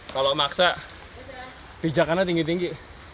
kalau maksa pijakannya tinggi tinggi